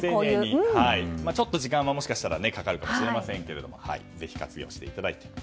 ちょっと時間はもしかしたらかかるかもしれませんがぜひ活用していただいて。